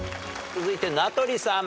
続いて名取さん。